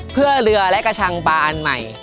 เพื่อเรือและกระชังบาอันใหม่